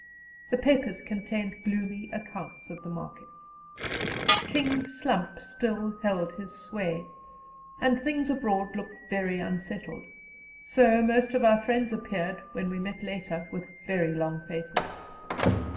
The papers contained gloomy accounts of the markets. "King Slump" still held his sway, and things abroad looked very unsettled; so most of our friends appeared, when we met later, with very long faces.